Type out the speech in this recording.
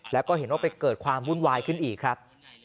แล้วก็เห็นว่าไปเกิดความวุ่นวายขึ้นอีกครับ